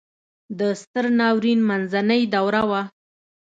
د ستر ناورین منځنۍ دوره وه.